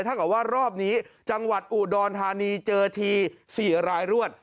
เท่ากับว่ารอบนี้จังหวัดอุดรธานีเจอที๔รายรวด